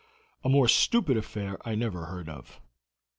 A more stupid affair I never heard of.